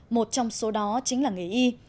một trong số đó chính là nghề y